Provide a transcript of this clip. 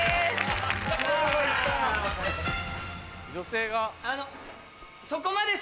女性が。